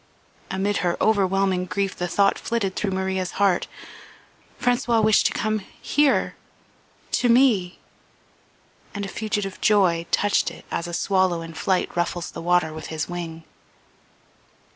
Amid her overwhelming grief the thought flitted through Maria's heart: "François wished to come here ... to me," and a fugitive joy touched it as a swallow in flight ruffles the water with his wing.